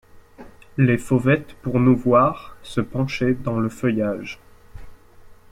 Les fauvettes pour nous voir Se penchaient dans le feuillage.